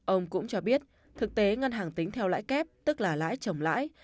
ông cũng cho biết thực tế ngân hàng tính theo lãi kép tức là lãi trồng lãi